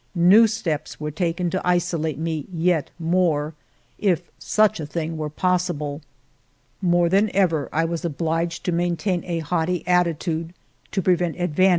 New steps were taken to isolate me yet more, if such a thing were possible. More than ever I was obHged to maintain a haughty attitude to prevent advantage rXd lU^ ttt O iixM.